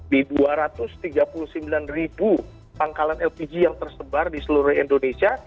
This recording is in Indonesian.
di dua ratus tiga puluh sembilan ribu pangkalan lpg yang tersebar di seluruh indonesia